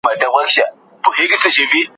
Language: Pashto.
په ښي اړخ ويده شئ.